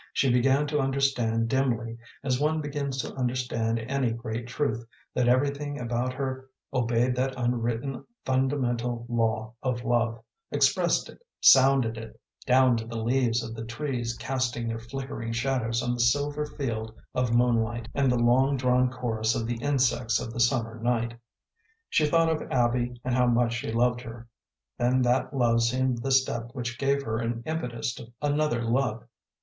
She began to understand dimly, as one begins to understand any great truth, that everything around her obeyed that unwritten fundamental law of love, expressed it, sounded it, down to the leaves of the trees casting their flickering shadows on the silver field of moonlight, and the long drawn chorus of the insects of the summer night. She thought of Abby and how much she loved her; then that love seemed the step which gave her an impetus to another love.